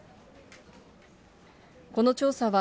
この調査は、